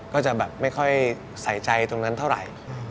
ก็จะแบบไม่ค่อยใส่ใจตรงนั้นเท่าไหร่